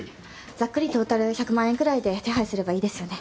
ざっくりトータル１００万円くらいで手配すればいいですよね？